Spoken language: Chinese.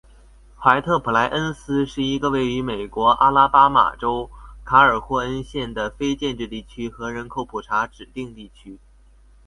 怀特普莱恩斯是一个位于美国阿拉巴马州卡尔霍恩县的非建制地区和人口普查指定地区。